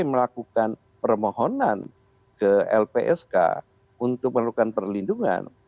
melakukan permohonan ke lpsk untuk melakukan perlindungan